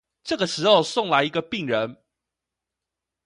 這個時候送來一個病人